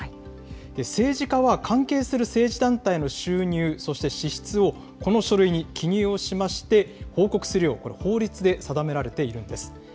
政治家は関係する政治団体の収入、そして支出をこの書類に記入をしまして、報告するよう、これ、法律で定められているんです。